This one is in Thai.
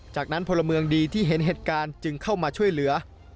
จากนั้นพลเมืองดีที่เห็นเหตุการณ์จึงเข้ามาช่วยเหลือ